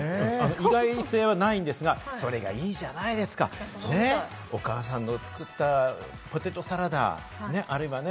意外性はないんですが、それがいいじゃないですか、お母さんが作ったポテトサラダがあればね。